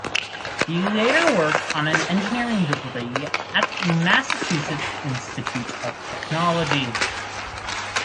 He later worked on an engineering degree at Massachusetts Institute of Technology.